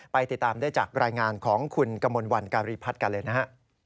ติดตามได้จากรายงานของคุณกมลวันการีพัฒน์กันเลยนะฮะ